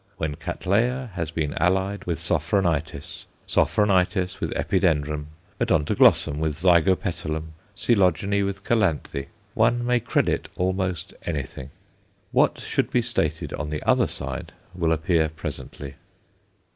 When Cattleya has been allied with Sophronitis, Sophronitis with Epidendrum, Odontoglossum with Zygopetalum, Coelogene with Calanthe, one may credit almost anything. What should be stated on the other side will appear presently.